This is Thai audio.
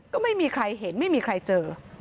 ก็ไม่มีใครเห็นไม่มีใครเจอ